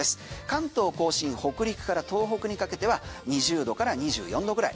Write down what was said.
関東・甲信北陸から東北にかけては２０度から２４度ぐらい。